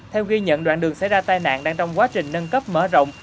theo ghi nhận đoạn đường xảy ra tai nạn đang trong quá trình nâng cấp mở rộng